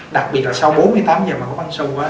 đặc biệt là sau bốn mươi tám h mà có phân su á